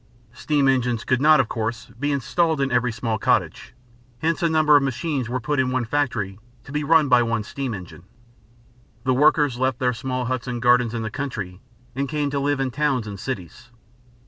Steam engines could not of course be installed in every small cottage; hence a number of machines were put in one factory to be run by one steam engine. The workers left their small huts and gardens in the country and came to live in towns and cities.